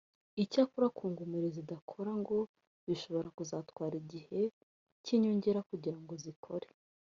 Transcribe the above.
Icyakora ku ngomero zidakora ngo bishobora kuzatwara igihe cy’inyongera kugira ngo zikore